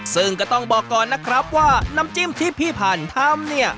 ซึ่งก็ต้องบอกก่อนนะครับว่าน้ำจิ้มที่พี่พันธุ์ทำเนี่ย